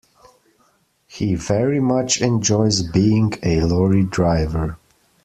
He very much enjoys being a lorry driver